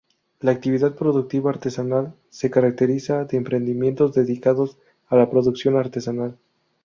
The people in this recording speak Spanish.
La Actividad productiva artesanal, se caracteriza de emprendimientos dedicados a la producción artesanal.